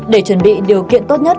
để chuẩn bị điều kiện tốt nhất